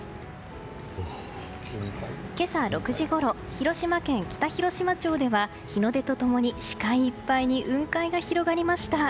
今朝６時ごろ広島県北広島町では日の出と共に視界いっぱいに雲海が広がりました。